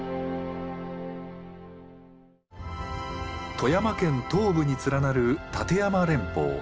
富山県東部に連なる立山連峰。